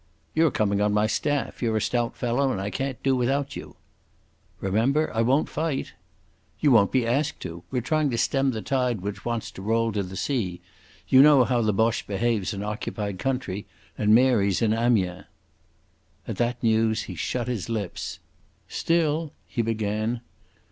"You're coming on my staff. You're a stout fellow and I can't do without you." "Remember I won't fight." "You won't be asked to. We're trying to stem the tide which wants to roll to the sea. You know how the Boche behaves in occupied country, and Mary's in Amiens." At that news he shut his lips. "Still—" he began.